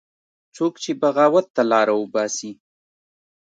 څوک چې بغاوت ته لاره وباسي